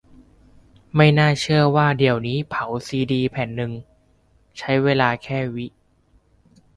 ไม่น่าเชื่อว่าเดี๋ยวนี้เผาซีดีแผ่นนึง ใช้เวลาแค่ วิ